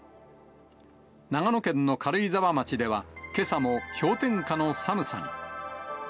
長野県の軽井沢町では、けさも氷点下の寒さに。